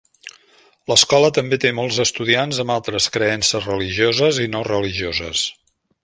L'escola també té molts estudiants amb altres creences religioses i no religioses.